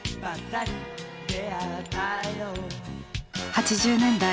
８０年代